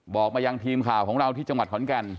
บอกมายังทีมข่าวของเราที่จังหวัดขอนแก่น